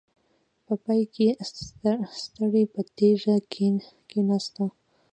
په پای کې ستړې په تيږه کېناسته.